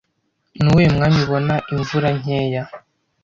Nuwuhe mwanya ubona imvura nkeya